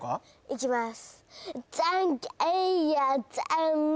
いきます